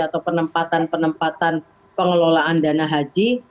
atau penempatan penempatan pengelolaan dana haji